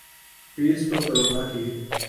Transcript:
حفیظ کو کرونا کی